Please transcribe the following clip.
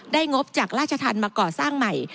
ได้งบจากราชทันมาก่อสร้างใหม่